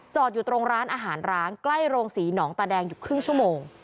อยู่ตรงร้านอาหารร้างใกล้โรงศรีหนองตาแดงอยู่ครึ่งชั่วโมง